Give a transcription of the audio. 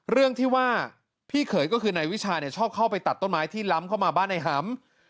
เรื่องที่ว่าพี่เขยก็คือนายวิชาชอบเข้าไปตัดต้นไม้ที่ล้ำเข้ามาบ้านในหำ